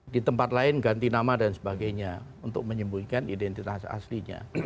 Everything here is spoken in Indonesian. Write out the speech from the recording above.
di tempat lain ganti nama dan sebagainya untuk menyembunyikan identitas aslinya